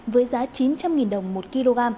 với giá chín trăm linh đồng một kg